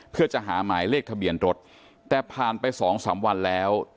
เพื่อจะหาหมายเลขทะเบียนรถแต่ผ่านไปสองสามวันแล้ว